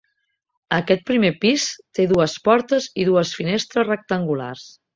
Aquest primer pis té dues portes i dues finestres rectangulars.